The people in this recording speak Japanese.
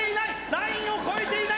ラインを越えていない！